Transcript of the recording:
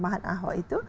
teman teman ahok itu